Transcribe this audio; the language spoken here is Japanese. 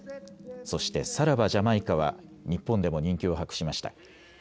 そして、さらばジャマイカは日本でも人気を博しました。